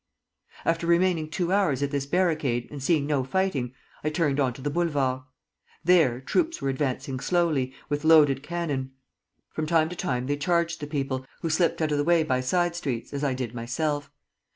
"After remaining two hours at this barricade, and seeing no fighting, I turned on to the Boulevard. There, troops were advancing slowly, with loaded cannon. From time to time they charged the people, who slipped out of the way by side streets, as I did myself.